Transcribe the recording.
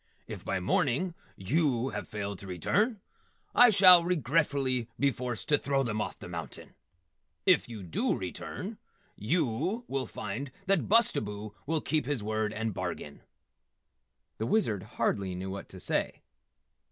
If by morning yew have failed to return, I shall regretfully be forced to throw them off the mountain. If yew dew return, yew will find that Bustabo will keep his word and bargain." The Wizard hardly knew what to say.